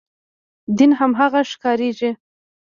دین هماغه ښکارېږي.